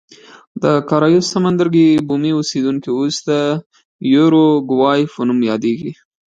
د کارایوس سمندرګي بومي اوسېدونکي اوس د یوروګوای په نوم یادېږي.